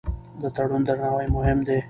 د تړون درناوی مهم دی.